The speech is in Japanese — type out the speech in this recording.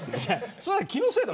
それは気のせいだ。